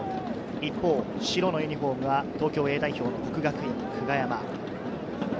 一方、白のユニホームが東京Ａ代表の國學院久我山。